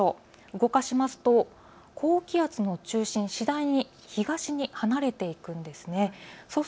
動かしますと高気圧の中心、次第に東に離れていくんです。